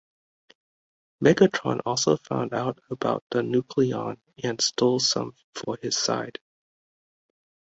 Megatron also found out about the Nucleon and stole some for his side.